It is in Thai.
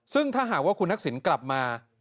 ซึ่งถ้าหากว่าคุณทักษิณกลับมา